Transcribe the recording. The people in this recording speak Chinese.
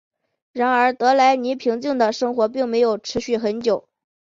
然而德莱尼平静的生活并没有持续很久。